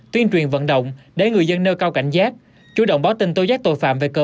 tuyên truyền vận động để người dân nơi cao cảnh giác chủ động báo tin tô giác tội phạm về cơ